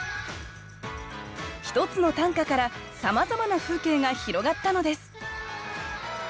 １つの短歌からさまざまな風景が広がったのです